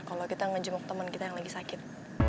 kalo kita ngejemuk temen kita yang lagi sakit